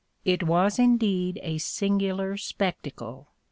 It was indeed a singular spectacle!